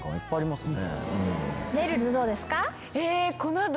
めるるどうですか？